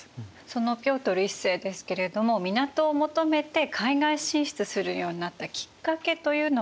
そのピョートル１世ですけれども港を求めて海外進出するようになったきっかけというのはあるんですか？